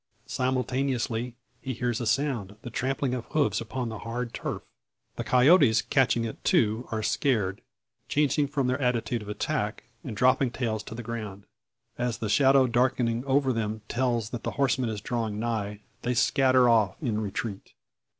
Simultaneously, he hears a sound the trampling of hoofs upon the hard turf. The coyotes catching it, too, are scared, changing from their attitude of attack, and dropping tails to the ground. As the shadow darkening over them tells that the horseman is drawing nigh, they scatter off in retreat.